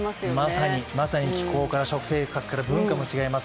まさにまさに気候から食生活から文化も違います。